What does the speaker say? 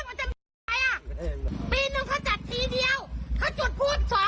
ไม่รู้มึงอ่ะพี่มึงแจ้งมันจะอะไรอ่ะปีหนึ่งเขาจัดที